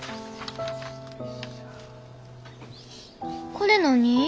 これ何？